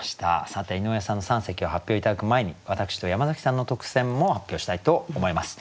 さて井上さんの三席を発表頂く前に私と山崎さんの特選も発表したいと思います。